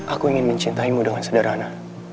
aku ingin mencintaimu dengan sederhana